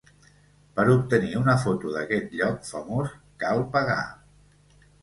Per obtenir una foto d'aquest lloc famós, cal pagar.